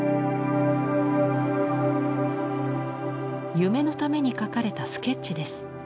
「夢」のために描かれたスケッチです。